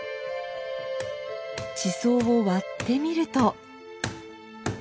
地層を割ってみると。